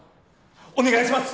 お願いします